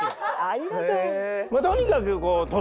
「ありがとう！」。